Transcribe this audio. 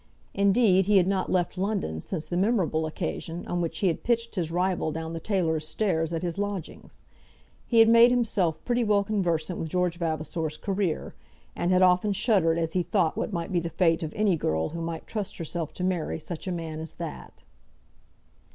Indeed, he had not left London since the memorable occasion on which he had pitched his rival down the tailor's stairs at his lodgings. He had made himself pretty well conversant with George Vavasor's career, and had often shuddered as he thought what might be the fate of any girl who might trust herself to marry such a man as that.